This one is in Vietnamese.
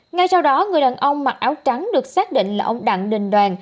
ngay sau đó người đàn ông mặc áo trắng được xác định là ông đặng đình đoàn